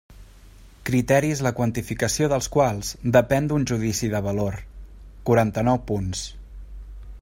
Criteris la quantificació dels quals depèn d'un judici de valor: quaranta-nou punts.